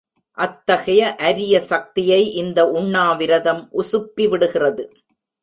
அத்தகைய அரிய சக்தியை இந்த உண்ணா விரதம் உசுப்பிவிடுகிறது.